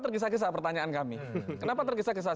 terkisah kisah pertanyaan kami kenapa terkisah kisah